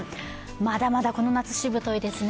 まだまだこの夏しぶといですね。